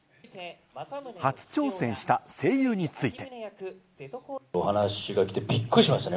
初挑戦した声優について。